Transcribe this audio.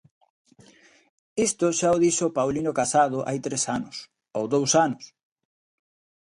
Isto xa o dixo Paulino Casado hai tres anos, ou dous anos.